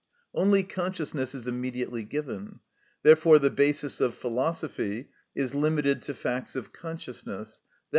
Only consciousness is immediately given; therefore the basis of philosophy is limited to facts of consciousness, _i.